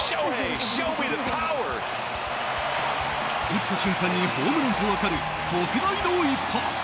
打った瞬間にホームランと分かる特大の一発。